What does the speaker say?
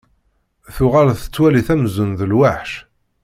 Tuɣal tettwali-t amzun d lweḥc.